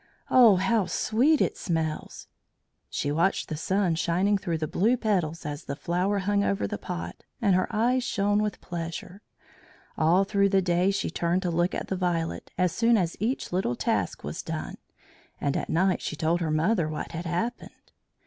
"Oh, how sweet it smells!" She watched the sun shining through the blue petals as the flower hung over the pot, and her eyes shone with pleasure. All through the day she turned to look at the Violet as soon as each little task was done, and at night she told her mother what had happened.